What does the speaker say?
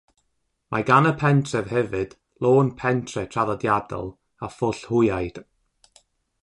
Mae gan y pentref hefyd Lôn Pentre traddodiadol a Phwll Hwyaid.